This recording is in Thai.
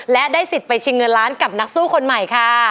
และได้สิทธิ์ไปชิงเงินล้านกับนักสู้คนใหม่ค่ะ